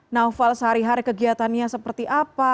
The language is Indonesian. naufal sehari hari kegiatannya seperti apa